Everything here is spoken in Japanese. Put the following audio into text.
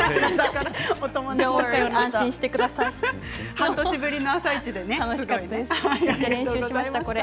半年ぶりの「あさイチ」でね。